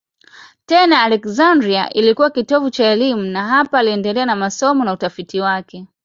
Tena Aleksandria ilikuwa kitovu cha elimu na hapa aliendelea na masomo na utafiti wake.